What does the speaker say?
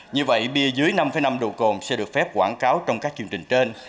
như vậy bia dưới năm năm độ cồn sẽ được phép quảng cáo trong các chương trình trên